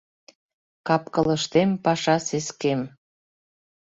Кап-кылыштем паша сескем